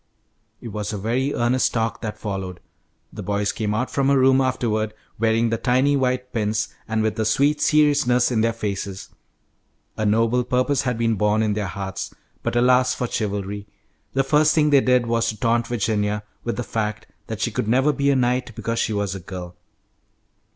It was a very earnest talk that followed. The boys came out from her room afterward, wearing the tiny white pins, and with a sweet seriousness in their faces. A noble purpose had been born in their hearts; but alas for chivalry! the first thing they did was to taunt Virginia with the fact that she could never be a knight because she was only a girl.